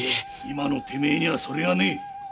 今のてめえにはそれがねえ。